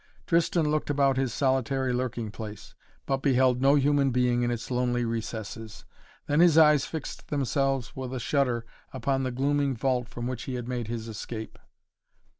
Tristan looked about his solitary lurking place, but beheld no human being in its lonely recesses. Then his eyes fixed themselves with a shudder upon the glooming vault from which he had made his escape.